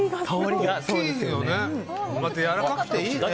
またやわらかくていいね。